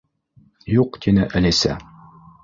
—Юҡ, —тине Әлисә.